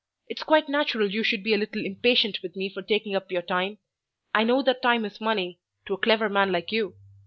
It's quite natural you should be a little impatient with me for taking up your time I know that time is money, to a clever man like you.